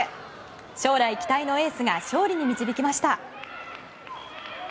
将来期待のエースが勝利に導きました。